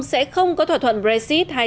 sẽ không có thỏa thuận brexit hay